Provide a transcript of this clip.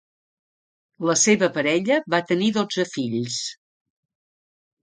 La seva parella va tenir dotze fills.